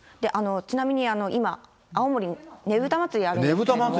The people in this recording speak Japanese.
ちなみに今、青森、ねぶた祭やってるんですけれども。